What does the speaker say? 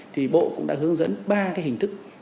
thì bộ cũng đã hướng dẫn ba cái hình thức